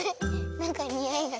なんかにおいがする。